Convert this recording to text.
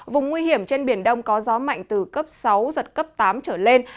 vùng nguy hiểm trên biển đông có gió mạnh từ cấp sáu giật cấp tám trở lên